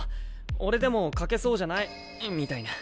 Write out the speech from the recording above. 俺でも描けそうじゃない？みたいな。